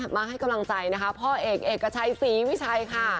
มาให้กำลังใจนะคะพ่อเอกเอกชัยศรีวิชัยค่ะ